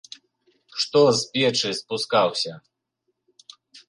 Што з печы спускаўся!